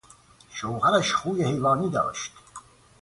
شوهرش خوی حیوانی داشت.